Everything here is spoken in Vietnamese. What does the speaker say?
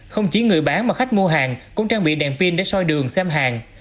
không chỉ người bán mà khách mua hàng cũng trang bị đèn pin để soi đường xem hàng